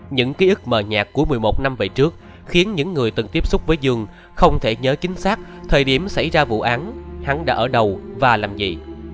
những ký ức mờ nhạt của một mươi một năm về trước khiến những người từng tiếp xúc với dương không thể nhớ chính xác thời điểm xảy ra vụ án hắn đã ở đầu và làm gì